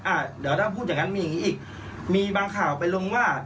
อ่ะเดี๋ยวถ้าพูดอย่างงั้นมีอย่างงี้อีกมีบางข่าวไปลงว่า